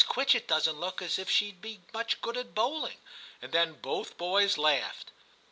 Quitchett doesn't look as if she'd be much good at bowling,' and then both boys laughed.